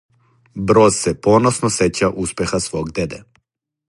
Броз се поносно сећа успеха свог деде.